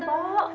umi boleh masuk